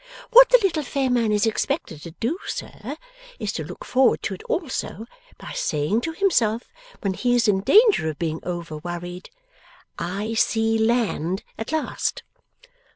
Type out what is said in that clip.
What the little fair man is expected to do, sir, is to look forward to it also, by saying to himself when he is in danger of being over worried, "I see land at last!"